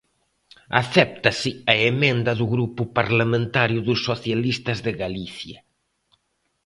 Acéptase a emenda do Grupo Parlamentario dos Socialistas de Galicia.